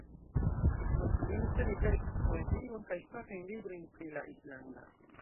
Island-lingve li verkis poezion kaj fakajn librojn pri la islanda.